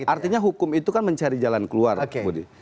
artinya hukum itu kan mencari jalan keluar budi